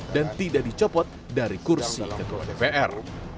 dan tidak dicopot dari kursi ketua dpr